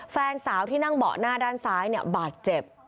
แฟนสาวที่นั่งเบาะหน้าด้านซ้ายเนี่ยบาดเจ็บ